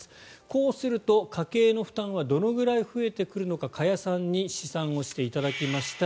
こうすると家計の負担はどのぐらい増えてくるのか加谷さんに試算をしていただきました。